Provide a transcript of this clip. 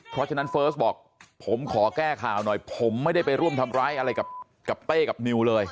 เพราะฉะนั้นเฟิร์สบอกผมขอแก้ข่าวหน่อยผมไม่ได้ไปร่วมทำร้ายอะไรกับเต้กับนิวเลย